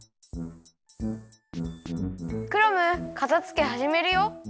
クラムかたづけはじめるよ。